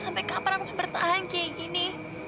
sampai kapan aku bertahan kayak gini